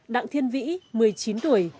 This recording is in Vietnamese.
đặng thiên vĩ một mươi chín tuổi